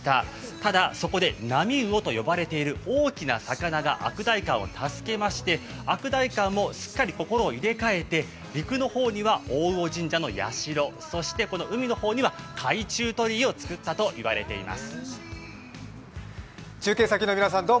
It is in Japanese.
ただそこで波魚と呼ばれている大きな魚が悪代官を助けまして、悪代官もすっかり心を入れ替えて、陸の方には大魚神社の社、そして海の方には海中鳥居を作ったといわれています。